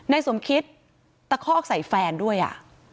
นายสมคิตตะคอกใส่แฟนด้วยอ่ะ